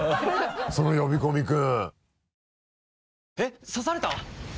その「呼び込み君」